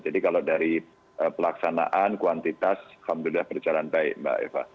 jadi kalau dari pelaksanaan kuantitas alhamdulillah perjalanan baik mbak eva